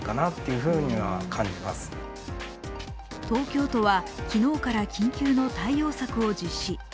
東京都は昨日から緊急の対応策を実施。